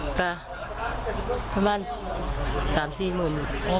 ก็ประมาณสามสี่เมือง